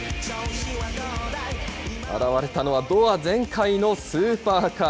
現れたのはドア全開のスーパーカー。